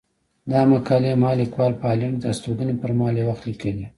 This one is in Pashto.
دا مقالې ما ليکوال په هالنډ کې د استوګنې پر مهال يو وخت ليکلي.